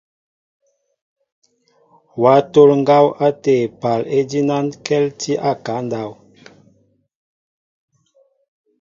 Wa tol ŋgaw ate épaal ejinaŋkɛltinɛ a ekaŋ ndáw.